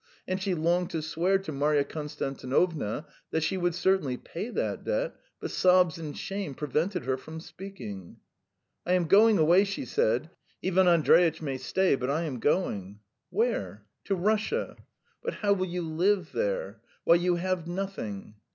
And she longed to swear to Marya Konstantinovna that she would certainly pay that debt, but sobs and shame prevented her from speaking. "I am going away," she said. "Ivan Andreitch may stay, but I am going." "Where?" "To Russia." "But how will you live there? Why, you have nothing."